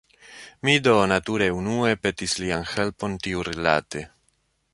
Mi do nature unue petis lian helpon tiurilate.